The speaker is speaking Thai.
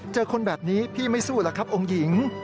เจอคนแบบนี้พี่ไม่สู้หรอกครับองค์หญิง